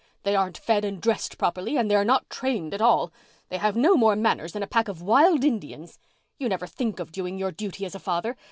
They aren't fed and dressed properly, and they're not trained at all. They have no more manners than a pack of wild Indians. You never think of doing your duty as a father.